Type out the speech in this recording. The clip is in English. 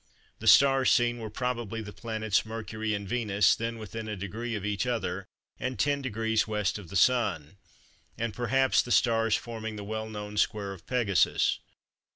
The stars seen were probably the planets Mercury and Venus, then within a degree of each other, and 10° W. of the Sun, and perhaps the stars forming the well known "Square of Pegasus."